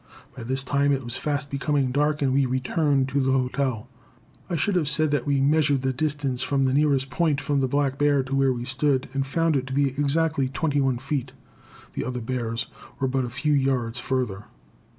By this time it was fast becoming dark and we returned to the hotel. I should have said that we measured the distance from the nearest point from the black bear to where we stood, and found it to be exactly twenty one feet. The other bears were but a few yards further.